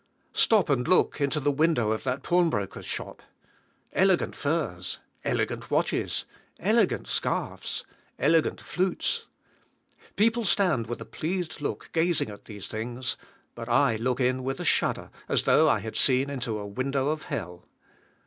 Stop and look into the window of that pawnbroker's shop. Elegant furs. Elegant watches. Elegant scarfs. Elegant flutes. People stand with a pleased look gazing at these things; but I look in with a shudder, as though I had seen into a window of hell.